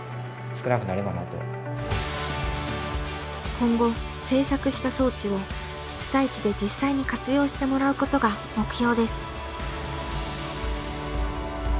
今後製作した装置を被災地で実際に活用してもらうことが目標です。